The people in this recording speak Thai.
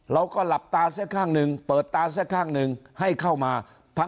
เราก็หลับตาเสียข้างหนึ่งเปิดตาเสียข้างหนึ่งให้เข้ามา